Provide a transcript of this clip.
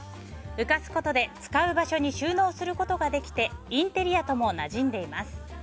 浮かすことで使う場所に収納することができてインテリアともなじんでいます。